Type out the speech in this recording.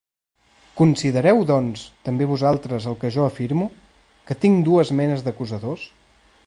Considereu, doncs, també vosaltres el que jo afirmo: que tinc dues menes d'acusadors: